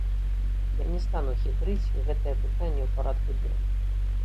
Я не стану хітрыць, гэтае пытанне ў парадку дня.